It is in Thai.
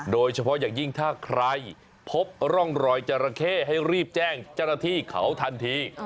โดยเฉพาะอย่างยิ่งถ้าใครพบร่องรอยจราเข้ให้รีบแจ้งเจ้าหน้าที่เขาทันที